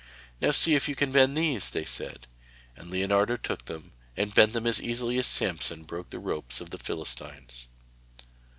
'Now see if you can bend these,' they said, and Leonardo took them and bent them as easily as Samson broke the ropes of the Philistines.